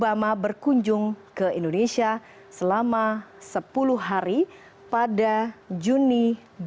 barack obama berkunjung ke indonesia selama sepuluh hari pada juni dua ribu tujuh belas